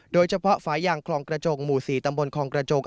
โดยเฉพาะฝายางคลองกระจงหมู่๔ตำบลคลองกระจง